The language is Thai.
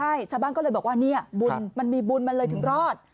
ใช่ชาวบ้านก็เลยบอกว่าเนี่ยบุญมันมีบุญมันเลยถึงรอด